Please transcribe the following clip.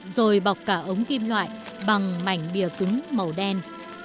rồi bọc cả ống kim loại bằng mảnh bìa cứng màu đen